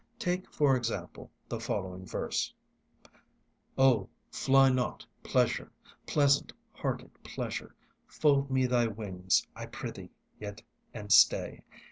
Take, for example, the following verse: Oh, fly not Pleasure, pleasant hearted Pleasure, Fold me thy wings, I prithee, yet and stay.